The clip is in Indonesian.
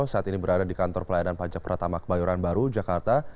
saat ini berada di kantor pelayanan pajak pertama kebayoran baru jakarta